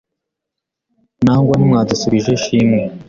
Nangwa ntimwadushibije shimwe